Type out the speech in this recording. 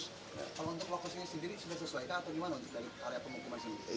kalau untuk lokasinya sendiri sudah sesuaikah atau gimana dari area pemukiman sendiri